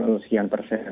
sekian persen